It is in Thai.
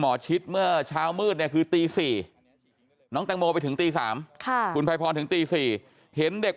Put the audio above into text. ชิดเมื่อเช้ามืดเนี่ยคือตี๔น้องแตงโมไปถึงตี๓คุณภัยพรถึงตี๔เห็นเด็ก